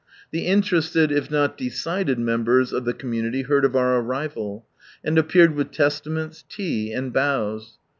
The interested, if not decided, members of the community heard of our arrival, and appeared with Testaments, tea, and bows.